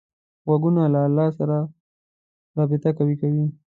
غوږونه له الله سره رابطه قوي کوي